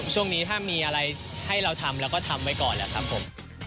ช่วงนี้ถ้ามีอะไรให้เราทำเราก็ทำไว้ก่อนแหละครับผม